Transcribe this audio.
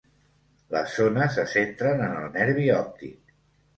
Les zones se centren en el nervi òptic.